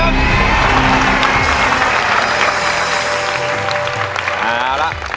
ใช้ค่ะ